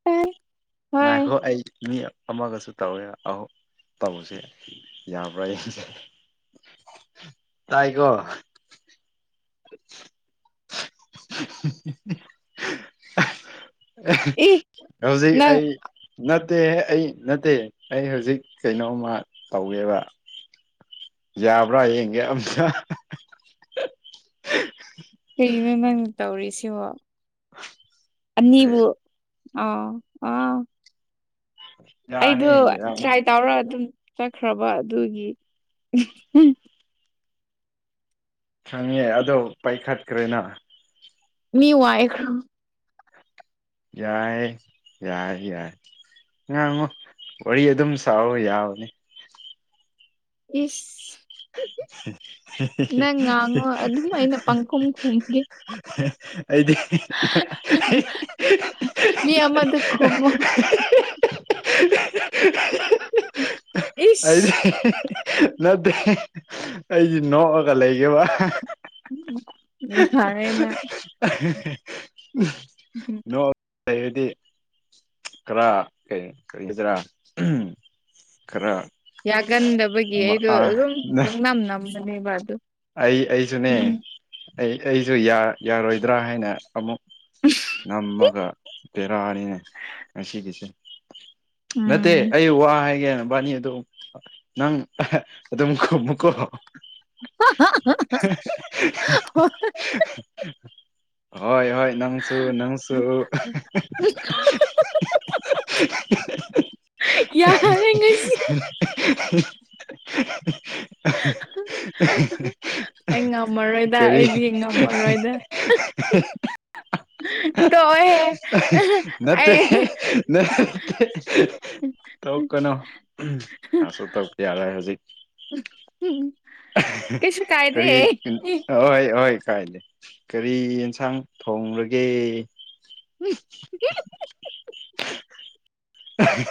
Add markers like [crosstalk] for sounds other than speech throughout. [unintelligible] ꯍꯣꯏ ꯉꯥꯏꯈꯣ ꯑꯩ ꯃꯤ ꯑꯃꯒꯁꯨ ꯇꯧꯒꯦꯕ ꯑꯍꯨꯝ ꯇꯧꯁꯦ ꯌꯥꯕ꯭ꯔꯥ ꯌꯦꯡꯒꯦ ꯇꯥꯏꯀꯣ ꯏ [unintelligible] ꯍꯧꯖꯤꯛ ꯅꯪ ꯑꯩ ꯅꯠꯇꯦ ꯑꯩ ꯅꯠꯇꯦ ꯑꯩ ꯍꯧꯖꯤꯛ ꯀꯩꯅꯣꯝꯃ ꯇꯧꯒꯦꯕ ꯌꯥꯕ꯭ꯔꯥ ꯌꯦꯡꯒꯦ ꯑꯃ ꯀꯔꯤꯅꯣ ꯅꯪ ꯇꯧꯔꯤꯁꯤꯕꯣ ꯑꯅꯤꯕꯨ ꯑꯧ ꯑꯥ [unintelligible] ꯑꯩꯗꯣ ꯌꯥꯅꯤ ꯇ꯭ꯔꯥꯏ ꯇꯧꯔ ꯑꯗꯨꯝ ꯆꯠꯈ꯭ꯔꯕ ꯑꯗꯨꯒꯤ ꯈꯪꯉꯦ ꯑꯗꯣ ꯄꯥꯏꯈꯠꯈ꯭ꯔꯦꯅ ꯃꯤ ꯋꯥꯏꯈ꯭ꯔꯝ ꯌꯥꯏꯌꯦ ꯌꯥꯏ ꯌꯥꯏ ꯉꯥꯡꯉꯣ ꯋꯥꯔꯤ ꯑꯗꯨꯝ ꯁꯥꯑꯣ ꯌꯥꯕꯅꯤ ꯏꯁ ꯅꯪ ꯉꯥꯡꯉꯣ ꯑꯗꯨꯝ ꯑꯩꯅ ꯄꯪꯈꯨꯝ ꯈꯨꯝꯒꯦ [unintelligible] ꯑꯩꯗꯤ ꯃꯤ [unintelligible] ꯑꯩꯗꯤ ꯏꯁ ꯅꯠꯇꯦ ꯑꯩꯒꯤ ꯅꯣꯛꯑꯒ ꯂꯩꯒꯤꯕ [unintelligible] ꯅꯣꯛ ꯂꯩꯔꯗꯤ ꯈꯔ ꯀꯩꯒꯗ꯭ꯔꯥ ꯈꯔ ꯌꯥꯒꯟꯗꯕꯒꯤ ꯑꯩꯗꯣ ꯑꯥ ꯑꯗꯨꯝ ꯄꯪꯅꯝ ꯅꯝꯕꯅꯦꯕ ꯑꯗꯨ ꯑꯩ ꯑꯩꯁꯨꯅꯦ ꯑꯩ ꯑꯩꯁꯨ ꯌꯥ ꯌꯥꯔꯣꯏꯗ꯭ꯔꯥ ꯍꯥꯏꯅ ꯑꯃꯨꯛ ꯅꯝꯃꯒ ꯕꯦꯔꯥꯅꯤꯅꯦ ꯉꯁꯤꯒꯤꯁꯦ ꯅꯠꯇꯦ ꯎꯝ ꯑꯩ ꯋꯥ ꯍꯥꯏꯒꯦ ꯕꯥꯅꯤ ꯑꯗꯨ ꯅꯪ ꯑꯗꯨꯝ ꯈꯨꯝꯃꯨꯀꯣ [inaudible] ꯍꯣꯏ ꯍꯣꯏ ꯍꯣꯏ ꯅꯪ ꯁꯨ ꯅꯥꯪꯁꯨ ꯌꯥꯔꯦ ꯉꯁꯤ [unintelligible] [unintelligible] ꯑꯩ ꯉꯝꯃꯔꯣꯏꯗ ꯑꯩꯗꯤ ꯉꯝꯃꯔꯣꯏꯗ ꯇꯣꯛꯑꯣꯍꯦ [unintelligible] ꯅꯠꯇꯦꯍꯦ ꯑꯩ ꯇꯧ ꯀꯩꯅꯣ ꯑꯁꯨ ꯇꯧ ꯌꯥꯔꯣꯏ ꯍꯧꯖꯤꯛ ꯎꯝ ꯀꯔꯤ ꯍꯣꯏ ꯍꯣꯏ ꯈꯥꯏ ꯂꯩ ꯀꯔꯤ ꯌꯦꯟꯁꯥꯡ ꯊꯣꯡꯡꯂꯒꯦ [unintelligible] ꯎꯝ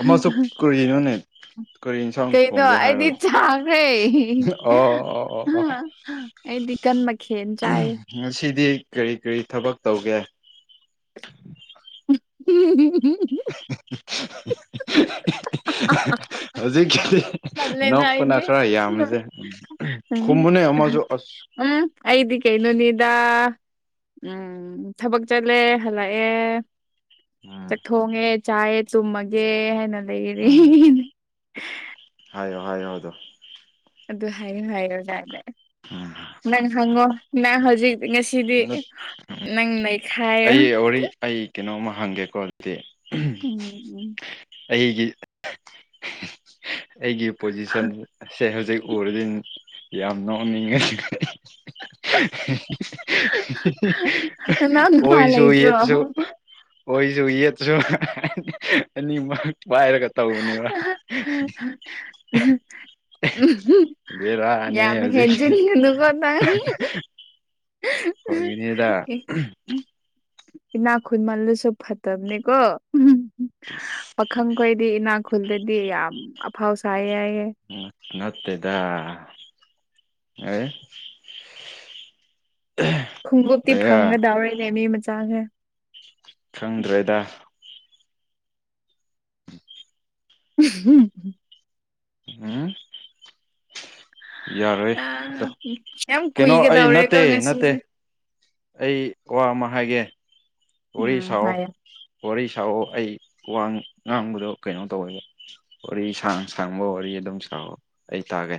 ꯑꯃꯁꯨ ꯀꯔꯤꯅꯣꯅꯦ ꯀꯔꯤ ꯌꯦꯟꯁꯥꯡ ꯀꯩꯅꯣ ꯊꯣꯡꯒꯦ ꯑꯩꯗꯤ ꯍꯥꯏꯔꯒ ꯆꯥꯈ꯭ꯔꯦ ꯑꯣ ꯑꯣ ꯑꯣ ꯑꯣ ꯑꯩꯗꯤ ꯀꯟ ꯃꯈꯟ ꯆꯥꯌꯦ ꯉꯁꯤꯗꯤ ꯀꯔꯤ ꯀꯔꯤ ꯊꯕꯛ ꯇꯧꯒꯦ [unintelligible] ꯍꯧꯖꯤꯛ ꯈꯗꯤ ꯇꯜꯂꯦꯗ ꯅꯈꯄꯅ ꯑꯩꯗꯤ ꯈꯔ ꯌꯥꯝꯃꯦꯁꯦ ꯎꯝ ꯈꯨꯝꯃꯨꯅꯦ ꯑꯃꯁꯨ ꯎꯝ ꯑꯩꯗ ꯀꯩꯅꯣꯅꯤꯗꯥ ꯎꯝ ꯊꯕꯛ ꯆꯠꯂꯦ ꯍꯜꯂꯛꯑꯦ ꯎꯝ ꯆꯛ ꯊꯣꯡꯉꯦ ꯆꯥꯌꯦ ꯆꯨꯝꯃꯒꯦ ꯍꯥꯏꯅ ꯂꯩꯔꯤ ꯎꯝ ꯍꯥꯏꯌꯣ ꯍꯥꯏꯗ ꯑꯗꯨ ꯍꯥꯏꯌꯨ ꯍꯥꯏꯌꯨ ꯌꯥꯗ ꯎꯝ ꯅꯪ ꯍꯪꯉꯣ ꯅꯪ ꯍꯧꯖꯤꯛ ꯉꯁꯤ ꯅꯪ ꯅꯩꯈꯥꯏꯔꯣ ꯑꯩ ꯋꯥꯔꯤ ꯑꯩ ꯀꯩꯅꯣꯝꯃ ꯍꯪꯒꯦꯀꯣ ꯑꯗꯨꯗꯤ ꯎꯝ ꯑꯩꯒꯤ ꯑꯩꯒꯤ ꯄꯣꯖꯤꯁꯟꯁꯦ ꯍꯧꯖꯤꯛ ꯎꯔꯗꯤꯟ ꯌꯥꯝ ꯅꯣꯛꯅꯤꯡꯉꯁꯨ ꯎꯝ ꯅꯅꯥꯎ ꯅꯨꯄꯥ ꯑꯣꯏꯁꯨ ꯂꯩꯇ꯭ꯔꯣ ꯌꯦꯠꯁꯨ ꯑꯣꯏꯣꯏꯁꯨ ꯌꯦꯁꯨ ꯑꯅꯤ ꯋꯥꯏꯔ ꯀ ꯇꯧꯕꯅꯤꯕ ꯕꯦꯔꯥ ꯑꯅꯤ ꯌꯥꯝ ꯍꯧꯖꯤꯛ ꯍꯦꯟꯖꯤꯟꯒꯅꯨꯀꯣ ꯅꯪ ꯍꯣꯏ ꯏꯅꯤꯗ ꯏꯅꯥꯛ ꯈꯨꯟꯃꯜꯂꯁꯨ ꯐꯠꯇꯕꯅꯦꯀꯣ ꯄꯥꯈꯪꯈꯣꯏꯗꯤ ꯏꯅꯥꯛꯈꯨꯜꯗꯗꯤ ꯌꯥꯝ ꯑꯐꯥꯎ ꯁꯥꯏꯌꯦ ꯌꯥꯏꯌꯦ ꯅꯠꯇꯦꯗ [unintelligible] ꯈꯣꯡꯎꯞꯇꯤ ꯂꯩꯌꯥ ꯐꯪꯒꯗꯧꯔꯤꯅꯦ ꯃꯤ ꯃꯆꯥꯁꯦ ꯈꯪꯗ꯭ꯔꯦꯗ [unintelligible] ꯎꯝ ꯌꯥꯔꯣꯏ ꯑꯗꯣ ꯌꯥꯝ ꯀꯩꯅꯣ ꯑꯩ ꯀꯨꯏꯒꯗꯧꯔꯦꯀꯣ ꯅꯠꯇꯦ ꯅꯠꯇꯦ ꯉꯁꯤꯁꯦ ꯑꯩ ꯋꯥ ꯑꯃ ꯍꯥꯏꯒꯦ ꯋꯥꯔꯤ ꯎꯝ ꯁꯥꯑꯣ ꯍꯥꯏꯌꯣ ꯋꯥꯔꯤ ꯁꯑꯣ ꯑꯩ ꯋꯥꯋꯥꯡ ꯉꯥꯡꯕꯗꯣ ꯀꯩꯅꯣ ꯇꯧꯋꯦꯕ ꯋꯥꯔꯤ ꯁꯥꯡ ꯁꯥꯡꯕ ꯋꯥꯔꯤ ꯑꯗꯨꯝ ꯁꯥꯑꯣ ꯑꯩ ꯇꯥꯒꯦ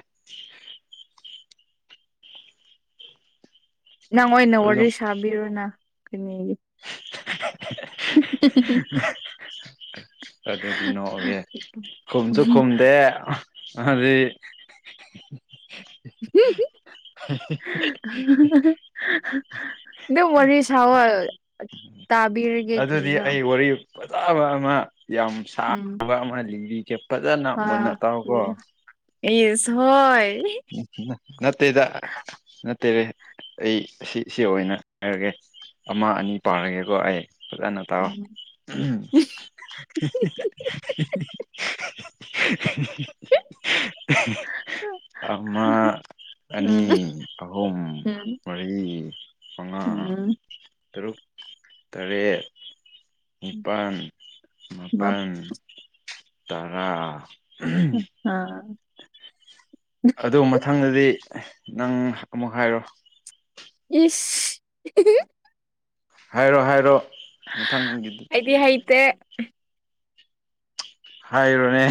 ꯅꯪ ꯑꯣꯏꯅ ꯋꯥꯔꯤ ꯑꯗꯨꯝ ꯁꯥꯕꯤꯔꯣꯅ ꯀꯅꯦꯒꯤ [unintelligible] ꯑꯗꯨꯗꯤ ꯅꯣꯛꯒꯦ ꯈꯨꯝꯁꯨ ꯈꯨꯝꯗꯦ ꯑꯗꯨꯗꯤ [unintelligible] [unintelligible] ꯑꯗꯨꯝ ꯋꯥꯔꯤ ꯁꯥꯋ ꯇꯥꯕꯤꯔꯦ ꯑꯗꯨꯗꯤ ꯑꯩ ꯋꯥꯔꯤ ꯐꯖꯕ ꯑꯃ ꯌꯥꯝ ꯎꯝ ꯁꯥꯕ ꯑꯃ ꯂꯤꯡꯕꯤꯒꯦ ꯐꯖꯅ ꯃꯨꯟꯅ ꯇꯥꯎꯀꯣ ꯑꯦꯁ ꯍꯣꯏ ꯅꯠꯇꯦꯗ ꯅꯠꯇꯦꯔꯦ ꯑꯩ ꯁꯤ ꯁꯤ ꯑꯣꯏꯅ ꯍꯥꯏꯔꯒꯦ ꯑꯃ ꯑꯅꯤ ꯄꯥꯔꯒꯦꯀꯣ ꯑꯩ ꯐꯖꯅ ꯇꯥꯛꯑꯣ ꯎꯝ ꯎꯝ ꯀ ꯑꯃ ꯑꯅꯤ ꯎꯝ ꯑꯍꯨꯝ ꯃꯔꯤ ꯃꯉꯥ ꯎꯝ ꯇꯔꯨꯛ ꯇꯔꯦꯠ ꯎꯝ ꯅꯤꯄꯥꯜ ꯃꯞ ꯃꯥꯄꯜ ꯇꯔꯥ ꯍꯥ ꯑꯗꯨ ꯃꯊꯪꯗꯗꯤ ꯅꯪ ꯑꯃꯨꯛ ꯍꯥꯏꯔꯣ ꯏꯁ ꯍꯥꯏꯔꯣ ꯍꯥꯏꯔꯣ ꯃꯊꯪꯒꯤꯗꯤ ꯑꯗꯤ ꯍꯥꯏꯇ ꯍꯥꯏꯔꯣꯅꯦ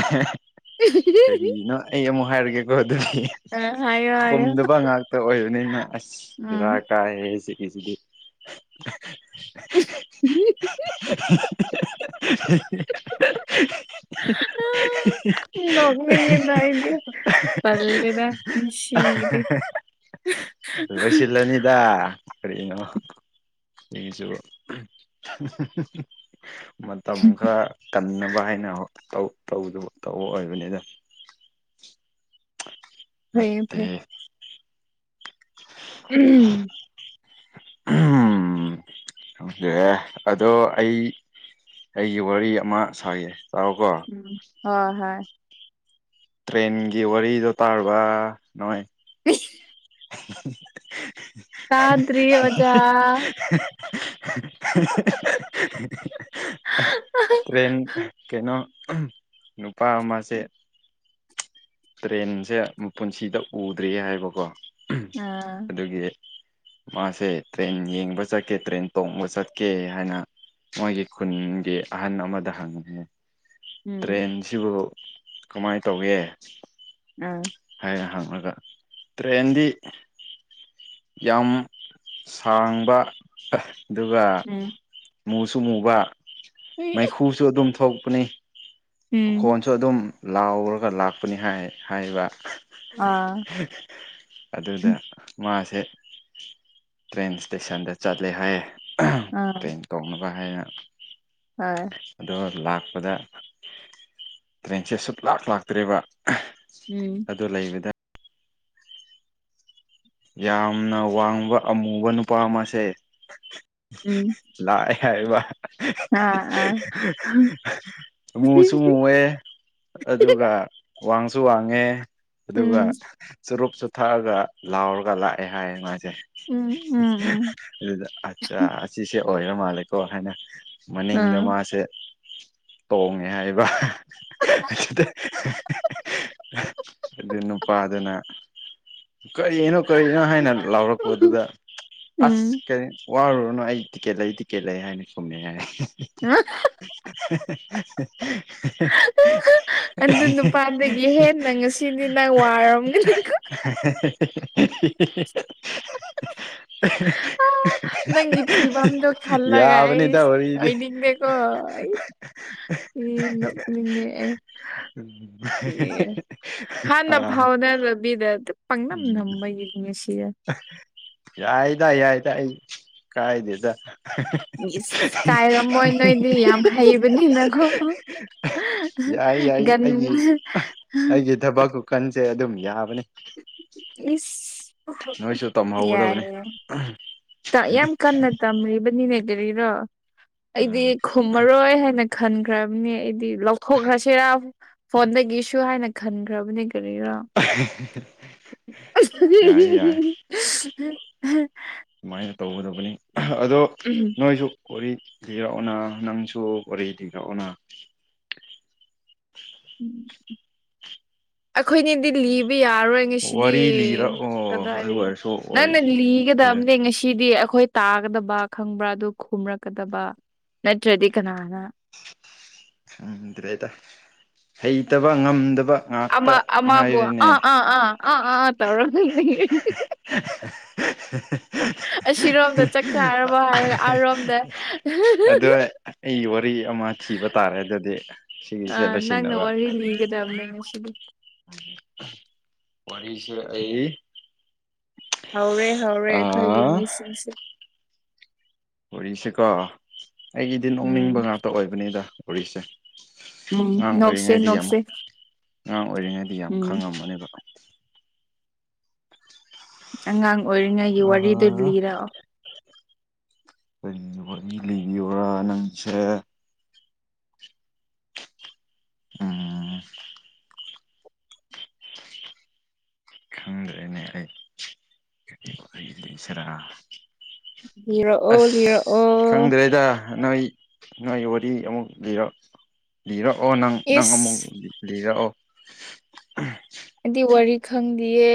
ꯀꯔꯤꯅꯣ ꯑꯩ ꯑꯃꯨꯛ ꯍꯥꯏꯔꯒꯦ ꯑꯥ ꯍꯥꯏꯌꯣ ꯍꯥꯏꯌꯣ ꯍꯨꯝꯗꯕ ꯉꯥꯛꯇ ꯑꯣꯏꯕꯅꯤꯅ ꯎꯝ ꯑꯁꯔꯥꯛ ꯀꯥꯏꯁꯤꯗꯤꯁꯤꯗꯤ [unintelligible] [unintelligible] ꯄꯂꯦꯕꯁꯤꯗꯤ ꯂꯣꯏꯁꯤꯜꯂꯅꯤꯗ ꯀꯔꯤꯅꯣ ꯍꯁꯨꯕ ꯃꯇꯝ ꯈꯔ ꯀꯟꯅꯕ ꯍꯥꯏꯅ ꯇꯧꯕ ꯑꯣꯏꯕꯅꯤꯗ ꯐꯩꯌꯦ ꯃꯁꯦ ꯐꯩ [unintelligible] ꯎꯝ ꯎꯝꯦ ꯑꯗꯣ ꯑꯩ ꯑꯩꯒꯤ ꯋꯥꯔꯤ ꯑꯃ ꯁꯥꯥꯏꯌꯦ ꯆꯥꯛꯔꯀꯣ ꯎ ꯍꯣꯏ ꯍꯣꯏ ꯇ꯭ꯔꯦꯟꯒꯤ ꯋꯥꯔꯤꯗꯣ ꯇꯥꯔꯕ ꯅꯣꯏ ꯁ [unintelligible] ꯇꯥꯗ꯭ꯔꯤ ꯑꯣꯖꯥ [unintelligible] ꯇ꯭ꯔꯦꯟ ꯀꯩꯅꯣ ꯅꯨꯄꯥ ꯑꯃꯁꯦ ꯇ꯭ꯔꯦꯟꯁꯦ ꯄꯨꯟꯁꯤꯗ ꯎꯗ꯭ꯔꯤ ꯍꯥꯏꯕꯀꯣ ꯑꯥ ꯑꯗꯨꯒꯤ ꯃꯥꯁꯦ ꯇ꯭ꯔꯦꯟ ꯌꯦꯡꯕ ꯆꯠꯀꯦ ꯇ꯭ꯔꯦꯟ ꯇꯣꯡꯕ ꯆꯠꯀꯦ ꯍꯥꯏꯅ ꯃꯒꯤ ꯈꯨꯟꯒꯤ ꯑꯍꯟ ꯑꯃꯗ ꯍꯪꯉꯦ ꯎꯝ ꯇ꯭ꯔꯦꯟꯁꯤꯕꯨ ꯀꯃꯥꯏꯅ ꯇꯧꯒꯦ ꯑ ꯍꯥꯏꯌꯦ ꯍꯪꯉꯒ ꯇ꯭ꯔꯦꯟꯗꯤ ꯌꯥꯝ ꯁꯥꯡꯕ ꯑꯗꯨꯒ ꯎꯝ ꯃꯨꯁꯨꯨꯝ ꯃꯨꯕ ꯑ ꯑ ꯍꯣꯏ ꯃꯥꯏꯈꯨ ꯁꯨ ꯑꯗꯨꯝ ꯎꯝ ꯊꯣꯛꯄꯅꯤꯣꯟ ꯁꯨ ꯑꯗꯨꯝ ꯂꯥꯎꯔꯒ ꯂꯥꯛꯄꯅꯤ ꯍꯥꯏ ꯍꯥꯏꯕ ꯑꯥ [unintelligible] ꯑꯗꯨꯗ ꯃꯥꯁꯦ ꯇ꯭ꯔꯦꯟ ꯏꯁꯇꯦꯁꯟꯗ ꯆꯠꯂꯦ ꯍꯥꯏꯌꯦ ꯇ ꯇꯧꯅꯕ ꯍꯥꯏꯅ ꯍ [unintelligible] ꯑꯣ ꯂꯥꯛꯄꯗ ꯇ꯭ꯔꯦꯟꯁꯦ ꯁꯨꯛ ꯂꯥꯛ ꯂꯥꯛꯇ꯭ꯔꯤꯕ ꯎꯝ ꯑꯗꯨ ꯂꯩꯕꯗ ꯌꯥꯝꯅ ꯋꯥꯡꯕ ꯑꯃꯨꯕ ꯅꯨꯄꯥ ꯑꯃꯁꯁꯦ ꯎꯝ ꯂꯥꯛꯑꯦ ꯍꯥꯏꯕ ꯑ ꯑ ꯃꯨꯁꯨ ꯃꯨꯑꯦ ꯑꯗꯨꯒ ꯋꯥꯡꯁꯨ ꯋꯥꯡꯉꯦ ꯑꯗꯨꯒ ꯎꯝ ꯎꯝ ꯆꯨꯔꯨꯞꯁꯨ ꯊꯛꯑꯒ ꯂꯥꯎꯔꯒ ꯂꯥꯛꯑꯦ ꯍꯥꯏꯌꯦ ꯃꯥꯁꯦ ꯎꯝ ꯎꯝ ꯑꯗꯨꯗ ꯑꯆꯥ ꯑꯁꯤꯁꯦ ꯑꯣꯏꯔ ꯃꯥꯜꯂꯦꯀꯣ ꯍꯥꯏꯅ ꯃꯅꯤꯡꯗ ꯎꯝ ꯃꯥꯁꯦ ꯇꯣꯡꯉꯦ ꯍꯥꯏꯕ ꯑꯁꯤꯗ ꯑꯗꯨ ꯅꯨꯄꯥꯗꯨꯅ ꯀꯔꯤꯅꯣ ꯀꯔꯤꯅꯣ ꯍꯥꯏꯅ ꯂꯥꯎꯔꯛꯄꯗꯨꯗ ꯑꯁ ꯎꯝ ꯀꯩ ꯋꯥꯔꯨꯔꯅꯨ ꯑꯩ ꯇꯤꯛꯀꯦꯠ ꯂꯩ ꯇꯤꯛꯀꯦꯠ ꯂꯩ ꯍꯥꯏꯅ ꯈꯨꯝꯃꯦ ꯍꯥꯏ [unintelligible] ꯑꯗꯨ ꯅꯨꯄꯥꯗꯒꯤ ꯍꯦꯟꯅ ꯉꯁꯤꯗꯤ ꯅꯪ ꯋꯥꯔꯝꯒꯅꯤꯀꯣ [unintelligible] ꯅꯪꯗꯤ ꯐꯤꯕꯝꯗꯣ ꯈꯜꯂꯒ ꯌꯥꯕꯅꯤꯗ ꯑꯩꯁ ꯋꯥꯔꯤꯗꯤ ꯑꯣꯏꯅꯤꯡꯗꯦꯀꯣ ꯑꯩꯁ ꯏ ꯅꯣꯛꯅꯤꯡꯉꯛꯑꯦ ꯁꯤꯑꯦ ꯍꯥꯟꯅ ꯑꯥ ꯐꯥꯎꯅꯗꯕꯤꯗ ꯗꯨꯛ ꯄꯪꯅꯝꯅꯝꯕꯒꯤ ꯉꯁꯤꯌꯦ ꯌꯥꯥꯏꯗ ꯌꯥꯏꯗ ꯑꯩ ꯀꯥꯏꯗꯦꯗ ꯌꯤꯁ ꯀꯥꯏꯔꯝꯃꯣꯏ ꯅꯣꯏꯗꯤ ꯌꯥꯝ ꯍꯩꯕꯅꯤꯅꯀꯣ ꯌꯥꯏ ꯒꯟ ꯗꯕꯒꯜ ꯀꯟꯁꯦ ꯑꯗꯨꯝ ꯌꯥꯕꯅꯤ ꯏꯁ ꯅꯣꯏꯁꯨ ꯇꯝꯍꯧꯒꯗꯕꯅꯤ ꯇꯥꯛ ꯌꯥꯝ ꯀꯟꯅ ꯇꯝꯔꯤꯕꯅꯤꯅꯦ ꯀꯔꯤꯔꯣ ꯑꯩꯗꯤ ꯎꯝ ꯈꯨꯝꯃꯔꯣꯏ ꯍꯥꯏꯅ ꯈꯟꯈ꯭ꯔꯝꯅꯤ ꯑꯩꯗꯤ ꯂꯧꯊꯣꯛꯈ꯭ꯔꯁꯤꯔꯥ ꯐꯣꯟꯗꯒꯤꯁꯨ ꯍꯥꯏꯅ ꯈꯟꯈ꯭ꯔꯕꯅꯦ ꯀꯔꯤꯔꯥ ꯌꯥꯏꯌꯦ ꯌꯥꯏ [unintelligible] ꯃꯥꯏꯅ ꯇꯧꯒꯗꯕꯅꯤ ꯑꯗꯣ ꯅꯣꯏꯁꯨ ꯋꯥꯔꯤ ꯂꯤꯔꯛꯑꯣꯅ ꯅꯪꯁꯨ ꯋꯥꯔꯤ ꯗꯤꯔꯛꯑꯣꯅ ꯑꯩꯈꯣꯏꯅꯤꯗꯤ ꯂꯤꯕ ꯌꯥꯔꯣꯏ ꯉꯁꯤꯗꯤ ꯋꯥꯔꯤ ꯂꯤꯔꯛꯑꯣ ꯑꯗꯨ ꯀꯗꯥꯏꯗꯒꯤ ꯑꯣꯏꯔꯁꯨ ꯋꯥꯔꯤ ꯅꯪꯅ ꯂꯤꯔ ꯂꯤꯒꯗꯝꯅꯦ ꯉꯁꯤꯗꯤ ꯑꯈꯣꯏ ꯇꯥꯒꯗꯕ ꯈꯪꯕ꯭ꯔꯥ ꯑꯗꯨ ꯈꯨꯝꯔꯛꯀꯗꯕ ꯅꯠꯇ꯭ꯔꯗꯤ ꯀꯅꯥꯅ ꯈꯪꯗ꯭ꯔꯦꯗ ꯍꯩꯇꯕ ꯉꯝꯗꯕ ꯉꯥꯛꯇ ꯑꯃ ꯑꯃꯥꯕꯨ ꯉꯥꯏꯔꯦꯅꯦ ꯑꯥ ꯑꯥ ꯑꯥ ꯑꯥ ꯑꯥꯇꯧꯔꯒ ꯂꯩꯌꯦ [unintelligible] ꯑꯁꯤꯔꯣꯝꯗ ꯆꯥꯛ ꯆꯥꯔꯕꯣ ꯍꯥꯏꯔꯒ ꯑꯥꯔꯣꯝꯗ ꯑꯗꯣ ꯑꯩ ꯋꯥꯔꯤ ꯑꯃ ꯊꯤꯕ ꯇꯥꯔꯦ ꯑꯗꯨꯗꯤ ꯁꯤꯒꯤꯁꯦ ꯑ ꯅꯪꯅ ꯂꯣꯏꯁꯤꯟꯅꯕ ꯋꯥꯔꯤꯂꯤꯒꯗꯝꯅꯤ ꯉꯁꯤꯗꯤ ꯋꯥꯔꯤꯁꯦ ꯑꯩ ꯍꯧꯔꯦ ꯍꯧꯔꯦ ꯑꯩꯈꯣꯏꯒꯤ ꯑꯥ ꯃꯤꯁꯤꯡꯁꯦ ꯋꯔꯤꯁꯦꯀꯣ ꯑꯩꯒꯤꯗꯤ ꯎꯝ ꯅꯣꯛꯅꯤꯡꯕ ꯉꯥꯛꯇ ꯑꯣꯏꯕꯅꯤꯗ ꯋꯔꯤꯁꯦ ꯎꯝ ꯑꯉꯥꯡ ꯅꯣꯛꯁꯦ ꯑꯣꯏꯔꯤꯉꯩꯗꯤ ꯌꯥꯝ ꯅꯣꯛꯁꯦ ꯑꯉꯥꯡ ꯑꯣꯏꯔꯤꯉꯩꯗꯤ ꯌꯥꯝ ꯎꯝ ꯈꯪꯉꯝꯃꯅꯦꯕ ꯑꯉꯥꯡ ꯑꯣꯏꯔꯤꯉꯩꯒꯤ ꯋꯥꯔꯤꯗꯨ ꯑꯥ ꯂꯤꯔꯛꯑꯣ ꯀꯔꯤ ꯅꯋꯥꯔꯤ ꯂꯤꯕꯤꯌꯨꯔꯥ ꯅꯪꯁꯦ ꯎꯝ ꯈꯪꯗ꯭ꯔꯦꯅꯦ ꯑꯩ ꯀꯔꯤ ꯋꯔꯤꯂꯤꯁꯤꯔꯥ ꯂꯤꯔꯛꯑꯣ ꯑꯁ ꯂꯤꯔꯛꯑꯣ ꯈꯪꯗ꯭ꯔꯦꯗ ꯅꯣꯏ ꯅꯣꯏ ꯋꯥꯔꯤ ꯑꯃꯨꯛ ꯂꯤꯔꯣ ꯂꯤꯔꯛꯑꯣ ꯅꯪ ꯅꯪ ꯑꯃꯨꯛ ꯏꯁ ꯂꯤꯔꯛꯑꯣ ꯑꯗꯤ ꯋꯥꯔꯤ ꯈꯪꯗꯤꯌꯦ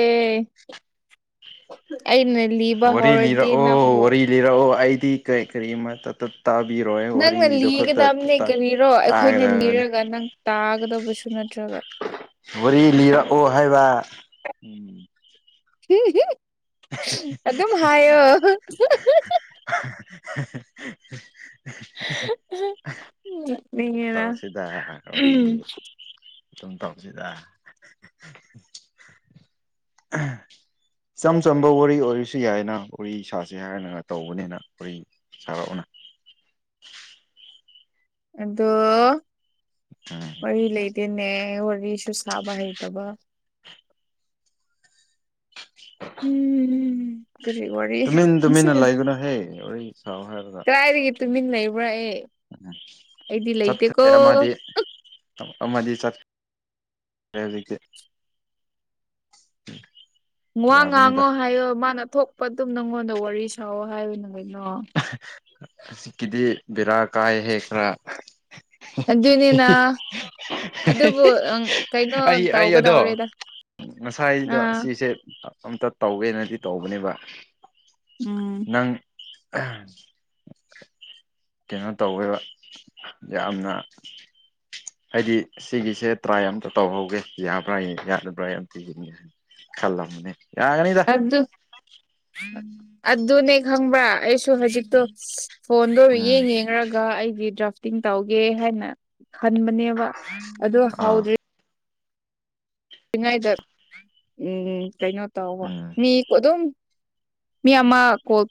ꯑꯩꯅ ꯂꯤꯕ ꯍꯧꯔꯗꯤ ꯅꯝꯕꯨ ꯔꯛꯑꯣ ꯑꯩꯗꯤ ꯀꯩ ꯀꯔꯤꯃ ꯇ ꯅꯪꯅ ꯂꯤꯒꯗꯕꯅꯦ ꯀꯔꯤꯔꯣ ꯑꯩꯈꯣꯏꯅ ꯇꯥꯒꯗꯕꯅꯤ ꯂꯤꯔꯒ ꯅꯪ ꯇꯥꯒꯗꯕꯁꯨꯅꯠꯇ꯭ꯔꯒ ꯋꯥꯔꯤ ꯂꯤꯔꯛꯑꯣ ꯍꯥꯏꯕ ꯎꯝ ꯑꯗꯨꯝ ꯍꯥꯏꯌꯣ [inaudible] [unintelligible] [inaudible] ꯅꯣꯛꯅꯤꯡꯉꯦꯗ ꯇꯧꯁꯤꯗ ꯑꯩ ꯑꯗꯨꯝ ꯇꯧꯁꯤꯗ [unintelligible] ꯏꯆꯝ ꯆꯝꯕ ꯋꯥꯔꯤ ꯑꯣꯏꯔꯁꯨ ꯌꯥꯏꯅ ꯋꯥꯔꯤ ꯁꯥꯁꯤ ꯍꯥꯏꯔꯅꯒ ꯇꯧꯕꯅꯤꯅ ꯋꯥꯔꯤ ꯁꯥꯔꯛꯑꫭꯅ ꯑꯗꯣ ꯎꯝ ꯋꯥꯔꯤ ꯂꯩꯇꯦꯅꯦ ꯋꯥꯔꯤꯁꯨ ꯁꯥꯕ ꯍꯩꯇꯕ ꯎꯝ ꯎꯝ ꯀꯁꯤ ꯋꯥꯔꯤ ꯇꯨꯃꯤꯟ ꯇꯨꯃꯤꯟꯅ ꯂꯩꯒꯅꯨꯍꯦ ꯋꯥꯔꯤ ꯁꯥꯎ ꯍꯥꯏꯔꯒ ꯀ ꯇꯨꯃꯤꯟ ꯂꯩꯕ꯭ꯔꯥ ꯑꯦ ꯎꯝ ꯑꯩꯗꯤ ꯆꯠꯈ꯭ꯔꯦ ꯂꯩꯇꯦꯀꯣ ꯑꯃꯗꯤ ꯑꯃꯗꯤ ꯆꯠ ꯍꯧꯖꯤꯛꯛꯇꯤ [inaudible] ꯋꯥ ꯌꯥꯕꯅꯤꯗ ꯉꯥꯡꯉꯣ ꯍꯥꯏꯌꯣ ꯃꯥꯅ ꯊꯣꯛꯄ ꯑꯗꯨꯝ ꯅꯪꯉꯣꯟꯗ ꯋꯥꯔꯤ ꯁꯥꯑꯣ ꯍꯥꯏꯌ ꯅꯪ ꯀꯩꯅꯣ ꯍꯧꯖꯤꯀꯤꯗꯤ ꯕꯦꯔꯥ ꯀꯥꯏ ꯍꯦꯛ ꯈ꯭ꯔꯥ ꯑꯗꯨꯅꯤꯅꯥ ꯑꯩ ꯑꯩ ꯑꯗꯣ ꯇꯧꯒꯗꯧꯔꯦꯗ ꯉꯁꯥꯏꯗꯣ ꯑꯥ ꯑꯁꯤꯁꯦ ꯑꯝꯇ ꯇꯧꯒꯦꯅꯗꯤ ꯇꯧꯕꯅꯦꯕ ꯎꯝ ꯑꯝ ꯀꯩꯅꯣ ꯇꯧꯋꯦꯕ ꯌꯥꯝꯅ ꯍꯥꯏꯗꯤ ꯁꯤꯒꯤꯁꯦ ꯇ꯭ꯔꯥꯏ ꯑꯃꯝꯇ ꯇꯧꯍꯧꯒꯦ ꯌꯥꯕ꯭ꯔꯥ ꯌꯥꯗꯕ꯭ꯔꯥ ꯌꯥꯝ ꯊꯤꯒꯟꯅꯤ ꯍꯥꯏꯅ ꯀꯜꯂ ꯃꯅꯤꯅꯦ ꯌꯥꯅꯤ ꯑꯗꯨꯅꯦ ꯈꯪꯕꯁꯨ ꯍꯧꯖꯤꯛ ꯑꯗꯣ ꯐꯣꯟꯗꯣ ꯎꯝ ꯌꯦꯡ ꯌꯦꯡꯔꯒ ꯑꯩꯒꯤ ꯗ꯭ꯔꯐ ꯇꯧꯒꯦ ꯍꯥꯏꯅ ꯈꯟꯕꯅꯦꯕ ꯑꯗꯨ ꯑꯥ ꯍꯗ꯭ꯔꯦ ꯉꯥꯏꯗ ꯎꯝ ꯀꯩꯅꯣ ꯇꯧꯕ ꯎꯝ ꯃꯤ ꯑꯗꯨꯝ ꯃꯤ ꯑꯃ ꯀꯣꯜ